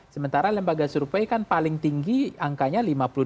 sementara lembaga survei kan paling tinggi angkanya lima puluh dua